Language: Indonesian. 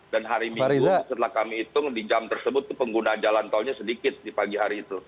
dan hari minggu setelah kami hitung di jam tersebut pengguna jalan tolnya sedikit di pagi hari itu